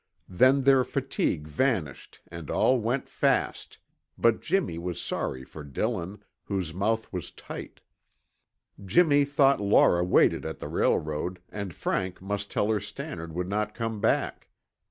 Then their fatigue vanished and all went fast, but Jimmy was sorry for Dillon, whose mouth was tight. Jimmy thought Laura waited at the railroad and Frank must tell her Stannard would not come back.